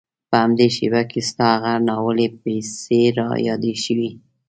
په همدې شېبه کې ستا هغه ناولې پيسې را یادې شوې.